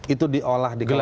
itu diolah dikelola